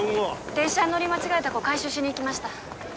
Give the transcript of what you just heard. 電車乗り間違えた子回収しに行きました